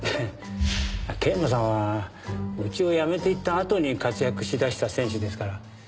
桂馬さんはうちを辞めていったあとに活躍しだした選手ですから。